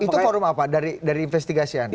itu forum apa dari investigasi anda